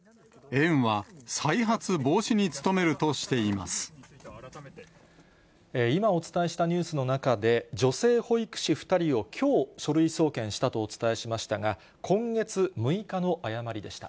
園は再発防止に努めるとして今、お伝えしたニュースの中で、女性保育士２人をきょう、書類送検したとお伝えしましたが、今月６日の誤りでした。